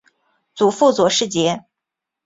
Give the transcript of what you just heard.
祖父左世杰。